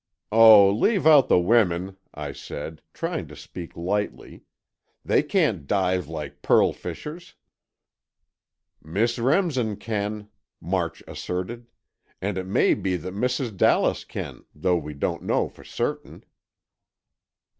"Oh, leave out the women," I said, trying to speak lightly, "they can't dive like pearl fishers." "Miss Remsen can," March asserted, "and it may be that Mrs. Dallas can, though we don't know for certain."